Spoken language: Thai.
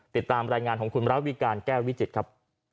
ติดตามรายงานของคุณมรวิการแก้ววิจิตรครับ